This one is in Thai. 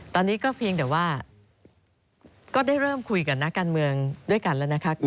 ตอนนี้ก็เพียงแต่ว่าก็ได้เริ่มคุยกับนักการเมืองด้วยกันแล้วนะคะ